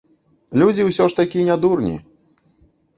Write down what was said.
Людзі ўсё ж такі не дурні.